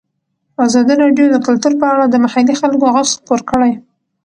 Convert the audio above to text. ازادي راډیو د کلتور په اړه د محلي خلکو غږ خپور کړی.